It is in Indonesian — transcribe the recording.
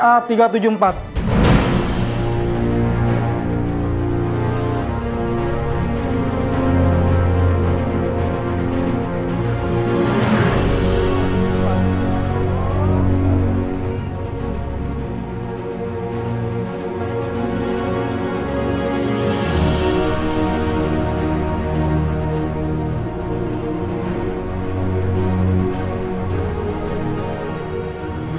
kami harapkan agar pengelolaan pesawat ea tiga ratus tujuh puluh empat bisa mendapatkan kekuatan yang tepat